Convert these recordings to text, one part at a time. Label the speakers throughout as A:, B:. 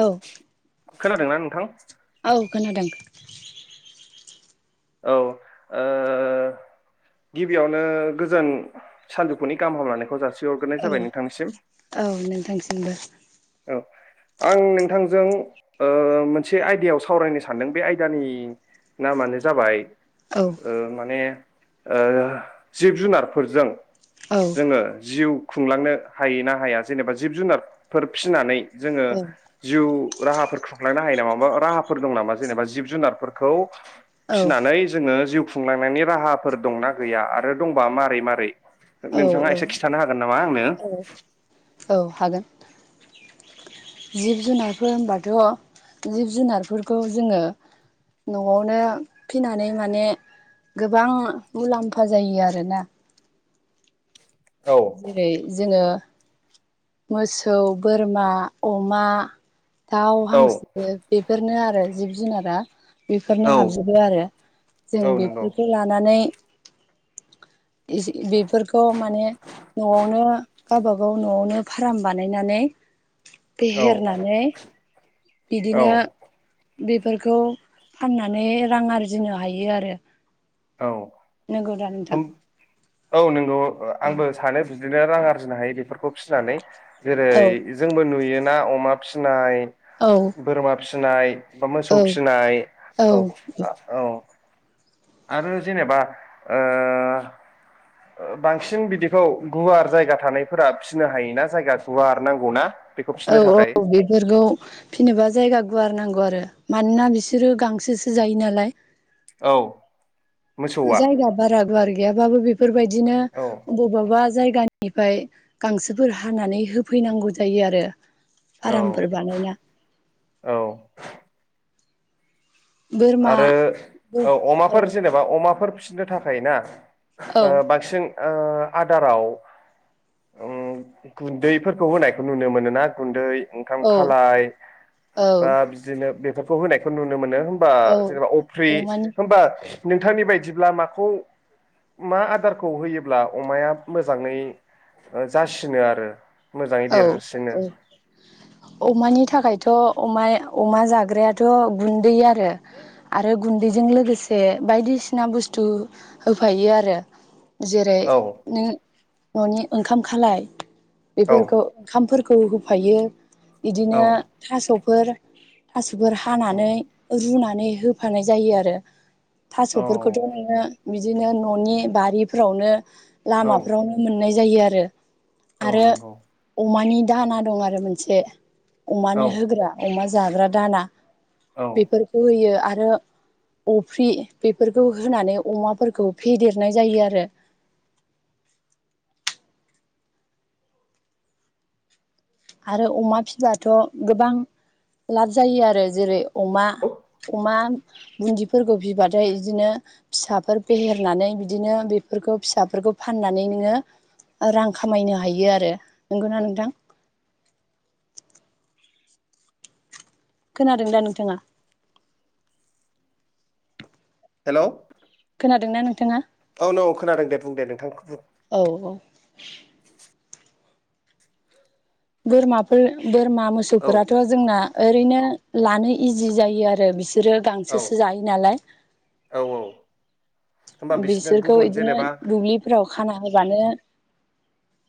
A: औ
B: खोनादों ना नोंथां?
A: औ खोनादों।
B: औ ओ गिबियावनो गोजान सानजौफुनि गाहाम हामलानायखौ जासि
A: औ औ नोंथांसिमबो
B: आं नोंथांजों ओ मोनसे आयदायाव सावरायनो सानदों बे आयदानि नामानो जाबाय
A: औ
B: ओ माने ओ जिब जुनारफोरजों
A: औ
B: जोङो जिउ खुंलांनो हायो ना हाया जेनेबा जिब जुनारफोर फिसिनानै जोङो
A: औ
B: जिउ राहाफोर खुंलांनो हायो नामा? ओ राहाफोर दं नामा जेनेबा जिब जुनारफोरखौ
A: औ
B: फिसिनानै जोङो जिउ खुंलांनायनि राहाफोर दंना गैया आरो दंबा मारै मारै?
A: औ
B: नोंथाङा इसे खिन्थानो हागोन नामा आंनो?
A: औ औ हागोन जिब जुनारफोर होनबाथ जिब जुनारफोरखौ जोङो न'आवनो फिनानै माने गोबां मुलाम्फा जायो आरोना?
B: औ
A: जेरै जोङो मोसौ बोरमा अमा दाउ
B: औ
A: हांसो बेफोरनो आर आरो जिब जुनारा बेफोरनो हाबजोबो आरो जों
B: औ नंगौ
A: बेफोरखौ लानानै इस बेफोरखौ माने न'आवनो गावबा गाव नआवनो फाराम बानायनानै
B: औ
A: फेहेरनानै
B: औ
A: बिदिनो बेफोरखौ फाननानै रां आरजिनो हायो आरो
B: औ
A: नोंगौदा नोथां?
B: औ नोंगौ। ओ आंबो सानो बि दिनो रां आरजिनो हायो बेफोरखौ फिनानै जेरै
A: औ
B: जोंबो नुयो। ना अमा फिसिनाय
A: औ
B: बोरमा फिसिनाय बा मोसौ
A: औ
B: फिसिनाय औ आ औ आरो जेनेबा ओ ओ बांसिन बिदिखौ गुवार जायगा थानायफोरा फिनो हायोना जायगा गुवार नांगौना बेखौ
A: औ
B: फिसिनो थाखाय
A: औ बेफोरखौ फिसिनोबा जायगा गुवार नांगौ आरो मानोना बिसोरो गांसोसो जायो नालाय
B: औ मोसौआ
A: जायगा बारा गुवार गैयाबाबो बेफोरबायदिनो
B: औ
A: बबाबा जायगानि बेनिफ्राय गांसोफोर हानानै होफैनांगौ जायो आरो
B: औ
A: आरामफोर बानायना
B: औ
A: बोरमा
B: आरो
A: बो औ
B: अ-अमाफोर जेनेबा अमाफोर फिसिनो थाखाय ना
A: औ
B: अ बांसिन अ आदाराव उ गुन्दैफोरखौ होनायखौ नुनो मोनोना गुन्दै ओंखाम
A: औ
B: खालाय
A: औ
B: बा बिदिनो बे- खौ होनायखौ नुनो मोनो बा
A: औ
B: जेनेबा अफ्रि
A: अमानि
B: होमबा नोंथांनि बायदिब्ला माखौ मा आदारखौ होयोब्ला अमाया मोजाङै जासिनो आरो? मोजाङै
A: औ
B: देरसिनो
A: औ अमानि थाखायथ' अमाया अमा जाग्रायाथ' गुन्दै आरो आरो गुन्दैजों लोगोसे बायदिसिना बुस्थु होफायो आरो जेरै
B: औ
A: नों न'नि ओंखाम खालाय
B: औ
A: बेफोरखौ ओंखामफोर- खौ होफायो बिदिनो
B: औ
A: थास'- फोर थास'फोर
B: उम
A: हानानै रुना- नै होफानाय जायो आरो
B: औ
A: थासफोरखौथ नोङो बिदिनो ननि बारिफ्रावनो
B: औ
A: लामाफ्रावनो मोननाय जायो आरो
B: औ
A: आरो
B: नंगौ
A: अमानि दाहोना दं आरो मोनसे
B: औ
A: अमानो होग्रा अमा जाग्रा दाना
B: औ
A: बेफोरखौ होयो आथ रो अफ्रि बेफोरखौ होनानै अमाफोरखौ फेदेरनाय जायो आरो आरो अमा फिब्लाथ गोबां लाब जायो आरो जेरै अमा अमा बुन्दिफोरखौ फिबाथाय बिदिनो फिसाफोर फेहेरनानै बिदिनो बेफोरखौ फिसाफोरखौ फाननानै नोङो रां खामायनो हायो आरो नंगौना नोंथां खोनादों दा नोंथाङा
B: हेल
A: खोनादों ना नोंथाङा
B: औ नौ खोनादों दे बुं दे नोंथां बु
A: औ औ बोरमाफोर बोरमा
B: औ
A: मोसौफोराथ जोंना ओरैनो लानो इजि जायो आरो बिस बिसोरो
B: औ
A: गांसोसो जायो नालाय
B: औ होमबा बिसोरनो
A: बिसोरखौ
B: गुबुन
A: बिदिनो
B: जेनेबा
A: दुब्लिफोराव खाना होबानो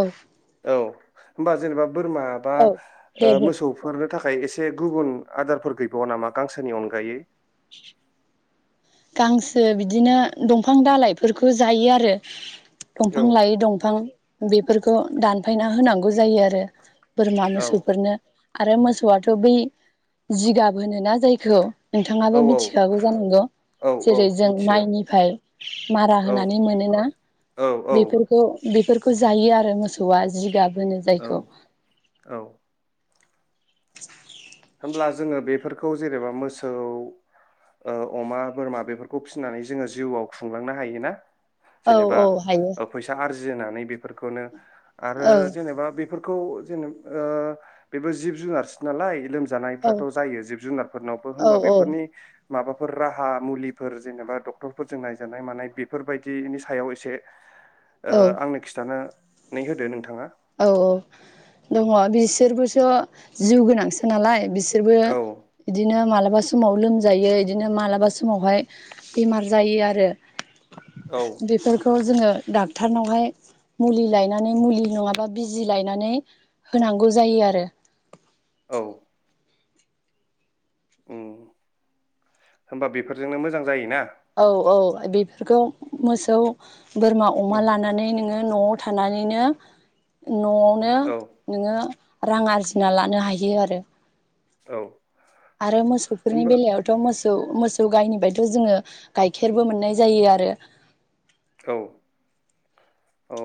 A: औ
B: औ होमबा जेनेबा बोरमा बा
A: औ दे
B: ओ
A: बुं
B: मोसौफोर थाखाय एसे गुबुन आदारफोर गैबावा नामा गांसोनि अनगायै
A: [unintelligible] गांसो बिदिनो दंफां दाालइफोरखौ जायो आरो
B: औ
A: दंफां लायो दंफां बेफोरखौ दानफायना होनांगौ जायो आरो बोरमा
B: औ
A: मोसौफोरनो आरो मोसौआथ बै जिगाब होनोना जायखौ नोंथाङाबो
B: औ
A: मिथिखागौ जानांगौ
B: औ औ
A: जेरै जों
B: मिथियो
A: माइनिफ्राय मारा
B: औ
A: होनानै मोनोना
B: औ औ
A: बेफोरखौ बेफोरखौ जायो आरो मोसौआ जिगाब होनो
B: औ
A: जायखौ।
B: औ होमब्ला जोङो बेफोरखौ जेनेबा मोसौ अमा बोरमा बेफोरखौ फिसिनानै जोङो जिउआव खुंलांनो हायो ना।
A: औ
B: जेनेबा
A: औ हायो
B: फैसा आरजिनानै बेर। खौनो। आरो
A: औ
B: जेनेबा बे फोरखौ जेने ओ बेबो जिब जुनारसो नालाय लोमजा
A: औ
B: जानायफ्राथ' जायो जिब जुनारफोरनावबो
A: औ
B: होमबा बेफोरनि माबाफोर राहा मुलिफोर जेनेबा डक्टरफोरजों नायजानाय मानाय बेफोरबायदिनि सायाव एसे ओ
A: औ
B: आंनो खिथानो नै होदो नोंथाङा
A: औ औ दङ बिसोरबोस' जिउ गोनांसो नालाय बिस बिसोरबो
B: औ
A: इदिनो मालाबासो समाव लोमजायो इदिनो मालाबा समावहाय बेमार जायो आरो
B: औ
A: बेफोरखौ जोङो डाक्टारनावहाय मुलि लनानै मुलि नङा बा बिजि लायनानै होनांगौ जायो आरो
B: औ। उम होनोमबा बेफोरजोंनो मोजां जायोना
A: औ औ बेफोरखौ मोसौ बोरमा अमा
B: उम
A: लानानै नोङो न'आव थानानैनो न'आवनो
B: औ
A: नोङो रां आरजिना लानो हायो आरो
B: औ।
A: आरो मोसौफोरनि
B: होमबा
A: बेलायावथ' मोसौ सौ मोसौ गायनि बथ' जोङो गाइखेरबो मोननाय जायो आरो
B: औ औ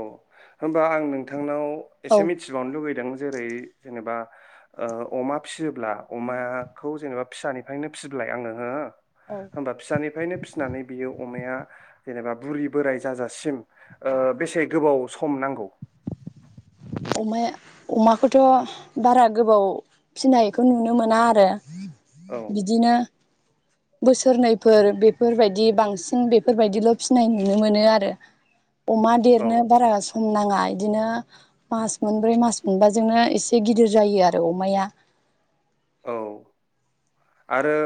B: होनबा आं नोंथांनाव
A: औ
B: एसे मिथिबावनो लुगैदों जेरै जेनेबा अमा फिसियोब्ला अमाखौ जेनेबा फिसानिफ्रायनो फिब्लाय आङो हो होमबा फिसानिफ्रायनो फिसिनानै बियो अमाया जेनेबा बुरि बोराय जाजासिम ओ बेसे गोबाव सम नांगौ
A: अमाया अमाखौथ' बारा गोबाव फिनायखौ नुनो मोना आरो
B: औ
A: बिदिनो बोसोरनैफोर बेफोरबायदि बांसिन बेफोरबायदिल' फिनाय नुनो मोनो आरो अमा
B: औ
A: देरनो बारा स सम नाङा इदिनो मास मोनब्रै मास मोनबाजोंनो एसे गिदिर जायो आरो अमाया
B: औ आरो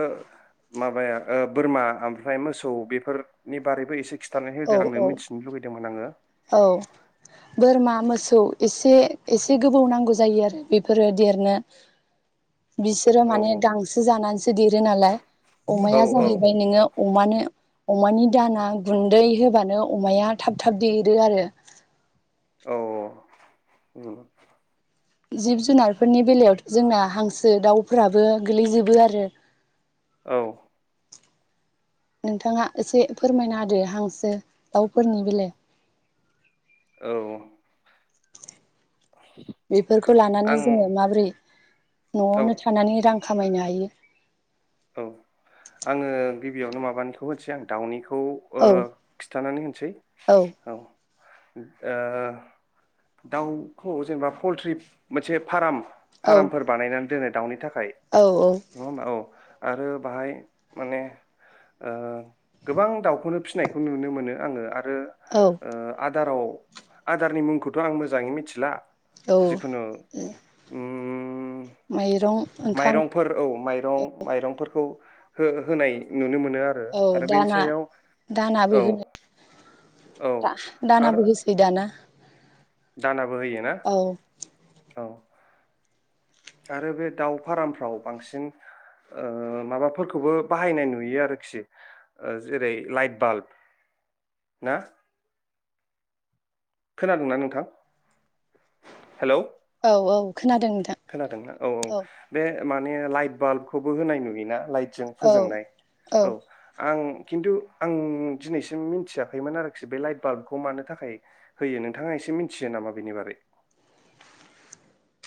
B: माबाया ओ बोरमा ओमफ्राय मोसौ बेफोरनि बारैबो एसे खि थानानै
A: औ
B: होदो आंनो
A: औ
B: मिथिनो लुगैदोंमोन आङो
A: औ बोरमा मोसौ एसे एसे गोबौ नांगौ जायो आरो बेफोरो देरनो बिसोरो
B: औ
A: माने गांसो जानानैसो देरो नालाय
B: औ
A: अमाया जाहैबाय
B: औ
A: नोङो अमानो अमानि दाना गुन्दै होबानो अमाया थाब थाब देरो आरो
B: औ उम
A: जिब जुनारफोरनि बेलायाव जोंना हांसो दाउफोराबो गोलैजोबो आरो
B: औ
A: नोंथाङा एसे फोरमायना होदो हांसो दाउफोरनि बेलेआव
B: औ
A: बे बेफोरखौ लानानै
B: आं
A: जोङो माबोरै
B: औ
A: न'आवनो थानानै रां खामायनो हायो
B: औ आङो गिबियावनो माबानिखौ होनसै आं दाउनिखौ खौ ओ
A: औ
B: खिन्थानानै होनसै औ ओ दाउखौ जेनेबा पलट्रि मोनसे फार्म
A: औ
B: फार्मफोर बानायनानै दोनो दाउनि थाखाय
A: औ औ
B: नङा हानबा औ आरो बाहाय माने ओ गोबां दाउखौनो फिसिनायखौ नुनो मोनो आङो आ रो ओ
A: औ
B: आ आदाराव आदारनि मुंखौथ' आं मोजाङै मिथिला
A: औ
B: जिखुनु उम उम
A: माइरं ओंखाम
B: रं माइरं फोर हो-होनाय नुनो मोनो मोनो
A: औ
B: आरो बेनि
A: दाना
B: सायाव औ औ
A: दा-दाना
B: आरो
A: होसै दाना
B: दानाबो बो होयो ना
A: औ
B: औ आरो बे दाउ फारमफ्राव बांसिन माबाफोरखौबो बाहायनाय नुयो आरोखि जेरै लाइट बाल्ब ना खोनादोंना नोंथां हेलौ
A: औ औ खोनादों नोंथां
B: खोनादोंना औ औ बे माने लाइट बाल्बखौबो होनाय नुयोना लाइट जों
A: औ
B: फोजोंनाय औ आं खिन्थु आं दिनैसिम मिथियाखैमोन आरोखि बे लाइट बाल्बखौ मानो थाखाय होयो नोंथाङा एसे मिथियो नामा बेनि बारै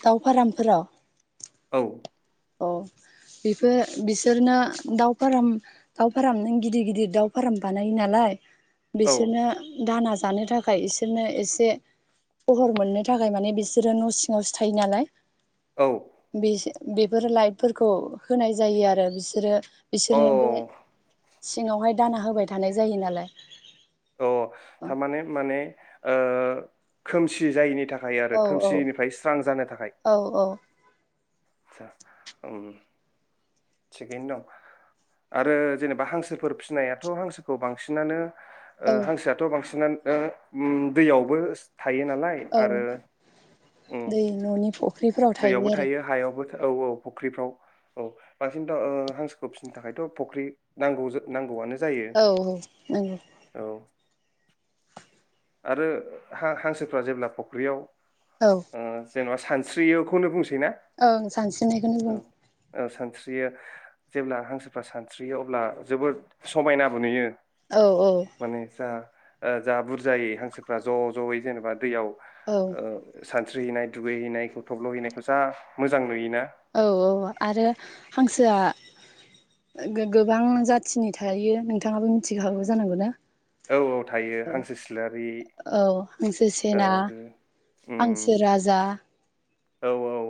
A: दाउ फारामफोराव
B: औ
A: अ बेफोर बिसोरनो दाउ फाराम दाव फाराम नों गिदिर गिदिर दाउ फाराम बानायो नालाय
B: औ
A: बिसोरनो दाना जानो थाखाय बिसोरनो एसे फहर मोननो थाखाय माने बिसोरो न' सिङावसो थायो नालाय
B: औ
A: बेसे [unintelligible] फोर लाइटफोरखौ होनाय जायो आरो बिसोरो बिसोरनोबो
B: औ
A: सिङावहाय दाना होबाय थानाय जायो नालाय
B: अ
A: औ
B: थारमाने माने ओ खोमसि जायैनि थाखाय थाखाय आरो
A: औ औ
B: खोमसिनिफ्राय स्रां जानो थाखाय
A: औ औ
B: आसा थिगैनो दं आरो जेनेबा हांसोफोर फिसिनायाथ' हांसोखौ बांसिनानो ओ
A: औ
B: हांसोआथ' बांसिन [unintelligible] दैयावबो थायो नालाय आरो
A: औ दै न'नि फुख्रिफोराव
B: दैयावबो
A: थायो आरो
B: हायावबो औ औ फुख्रिफ्राव औ बांसिनथ' हांसोखौ फिसिनो थाखायथ' फख्रि नांगौ नांगौआनो जायो
A: औ औ नंगौ
B: औ आरो हां हांसोफ्रा जेब्ला फुख्रियाव
A: औ
B: ओ जेन'ब सानस्रियोखौनो बुं
A: ओं सानस्रिनायखौनो बुं
B: सानस्रियो जेब्ला हांसोफ्रा सानस्रियो अब्ला जोबोद समायनाबो नुयो
A: औ औ
B: माने जा जा बुर जायै हांसोफ्रा ज' ज'यै जेनेबा दैयाव
A: औ
B: ओ सानस्रिहैनाय दुगैहैनायखौ थब्ल' हैनायखौ जा मोजां नुयो
A: औ औ आरो हांसोआ गो गोबां जाथिनि थायो नोंथाङाबो मिथिखागौ जानांगौना?
B: औ औ थायो हांसो सिलारि
A: औ हांसो
B: औ
A: सेना
B: ओ हुम
A: हांसो राजा
B: औ औ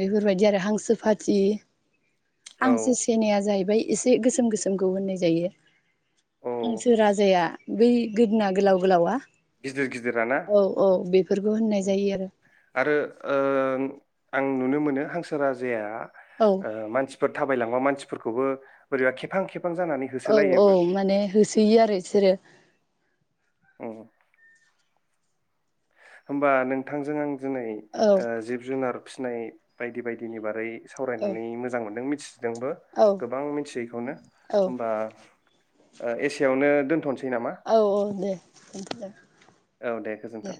A: बेफोरबायदि आरो हांसो फाथि
B: औ
A: आंसो सेनाया जाहैबाय एसे गोसोम गोसोमखौ होननाय जायो।
B: औ
A: हांसो राजाया बै गोदोना गोलाव गोलावा
B: गिदिर गिदिराना
A: औ औ बेफोरखौ होननाय जायो आरो।
B: ओं नुनो मोनो हांसो राजाया
A: औ
B: आ मानसि फोद थाबाय लांबा मानसिफोरखौबो बोरैबा खेबां- खेबहां जानानै
A: औ औ
B: होसोलायोबो
A: माने होसोयो आरो इसोरो
B: औ होमबा नोंथांजों आं दिनै
A: औ
B: ओ जिब जुनार फिसिनाय बायदि बायदिनि बारै
A: औ
B: सावरायनानै मोजां मोन्दों मिथि जोंबो
A: औ
B: गोबां मिथियैखौनो
A: औ
B: होमबा ओ एसेयावनो दोन्थ'नोसै
A: औ औ दे दोनथलाय
B: औ दे गोजोन्थों।